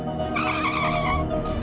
masih bisa gitu ya